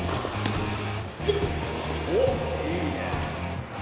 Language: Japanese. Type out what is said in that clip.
おっいいね！